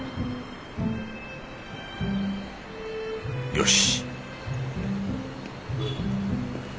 よし